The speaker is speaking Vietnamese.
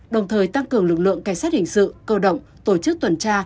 đồng thời tăng cường lực lượng cảnh sát hình sự cơ động tổ chức tuần tra